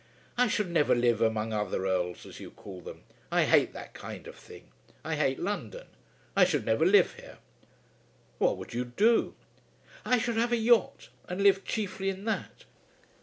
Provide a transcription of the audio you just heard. "I should never live among other Earls, as you call them. I hate that kind of thing. I hate London. I should never live here." "What would you do?" "I should have a yacht, and live chiefly in that.